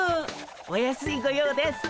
お安いご用です！